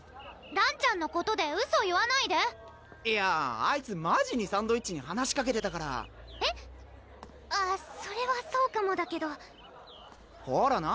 らんちゃんのことでウソ言わないでいやあいつマジにサンドイッチに話しかけてたからえっあっそれはそうかもだけどほらな